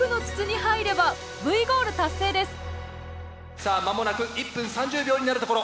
さあ間もなく１分３０秒になるところ。